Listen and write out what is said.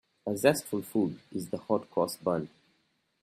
A zestful food is the hot-cross bun.